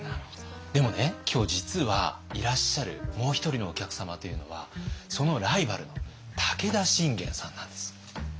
でもね今日実はいらっしゃるもう一人のお客様というのはそのライバルの武田信玄さんなんです。